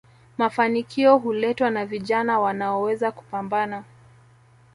mafanikio huletwa na vijana wanaoweza kupambana